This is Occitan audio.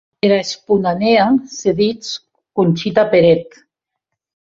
Era esponanèa se dits Conxita Peret.